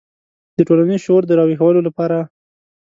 د ټولنیز شعور د راویښولو لپاره.